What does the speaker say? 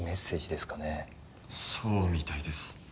そうみたいです。